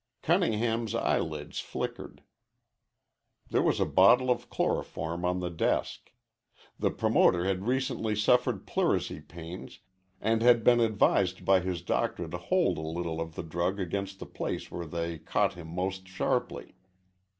Cunningham's eyelids flickered. There was a bottle of chloroform on the desk. The promoter had recently suffered pleurisy pains and had been advised by his doctor to hold a little of the drug against the place where they caught him most sharply.